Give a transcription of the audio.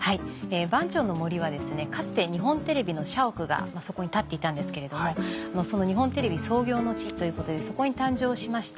番町の森はかつて日本テレビの社屋がそこに建っていたんですけれども日本テレビ創業の地ということでそこに誕生しました